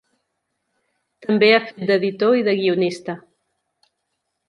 També ha fet d'editor i de guionista.